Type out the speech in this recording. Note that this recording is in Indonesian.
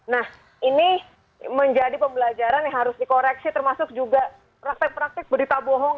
nah ini menjadi pembelajaran yang harus dikoreksi termasuk juga praktek praktek berita bohong